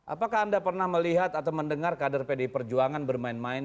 apakah anda pernah melihat atau mendengar kader pdi perjuangan bermain main